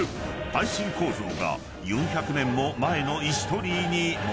［耐震構造が４００年も前の石鳥居に用いられていた］